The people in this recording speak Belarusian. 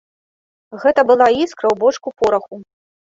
Гэта была іскра ў бочку пораху.